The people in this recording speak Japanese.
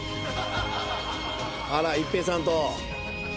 あら一平さんと。